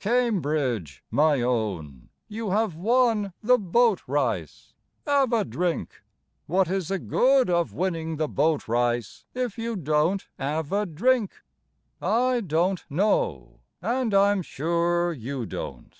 Cambridge, my own, You have won the bowt rice! 'Ave a drink! What is the good of winning the bowt rice, If you don't 'ave a drink? I don't know, And I'm sure you don't.